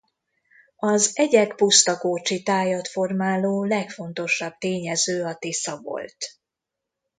Az egyek-pusztakócsi tájat formáló legfontosabb tényező a Tisza volt.